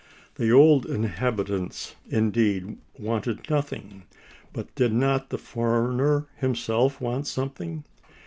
The old inhabitants, indeed, wanted nothing; but did not the foreigner himself want something?